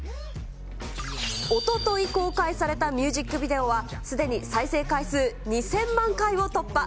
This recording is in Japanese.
おととい公開されたミュージックビデオは、すでに再生回数２０００万回を突破。